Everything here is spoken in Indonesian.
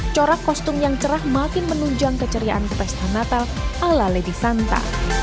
corak kostum yang cerah makin menunjang keceriaan pesta natal ala lady santa